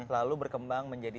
lalu berkembang menjadi tiga